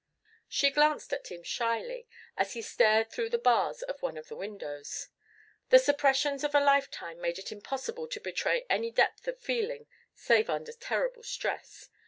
She glanced at him shyly, as he stared through the bars of one of the windows. The suppressions of a lifetime made it impossible to betray any depth of feeling save under terrible stress.